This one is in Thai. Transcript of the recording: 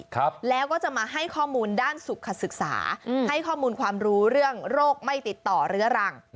ครับแล้วก็จะมาให้ข้อมูลด้านสุขศึกษาอืมให้ข้อมูลความรู้เรื่องโรคไม่ติดต่อเรื้อรัง